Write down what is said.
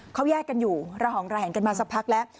เขาแยกกันอยู่ระหองระแหงกันมาสักพักแล้ว